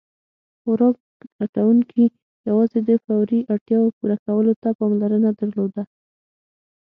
خوراک لټونکي یواځې د فوري اړتیاوو پوره کولو ته پاملرنه درلوده.